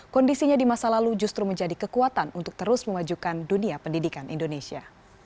kondisinya di masa lalu justru menjadi kekuatan untuk terus memajukan dunia pendidikan indonesia